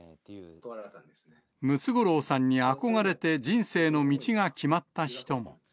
ムツゴロウさんに憧れて人生の道が決まった人も。